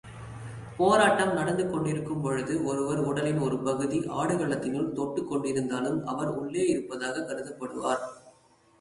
போராட்டம் நடந்து கொண்டிருக்கும்பொழுது, ஒருவர் உடலின் ஒரு பகுதி ஆடுகளத்தினுள் தொட்டுக் கொண்டிருந்தாலும் அவர் உள்ளேயிருப்பதாகக் கருதப்படுவார்.